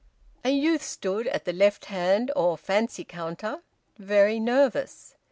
A youth stood at the left hand or `fancy' counter, very nervous.